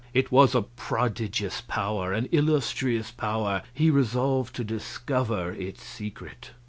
It was a prodigious power, an illustrious power; he resolved to discover its secret.